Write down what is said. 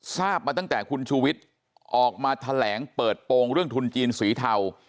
ทราบมาตั้งแต่คุณชูวิทย์ออกมาแถลงเปิดโปรงเรื่องทุนจีนสีเทา